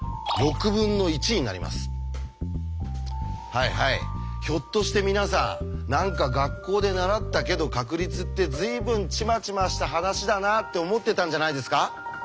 はいはいひょっとして皆さん何か学校で習ったけど確率って随分ちまちました話だなって思ってたんじゃないですか？